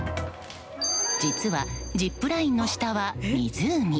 実は、ジップラインの下は湖。